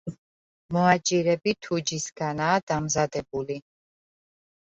მოაჯირები თუჯისგანაა დამზადებული.